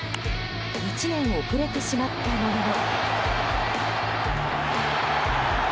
１年遅れてしまったものの。